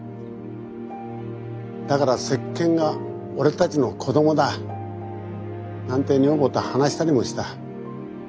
だから石鹸が俺たちの子どもだなんて女房と話したりもした。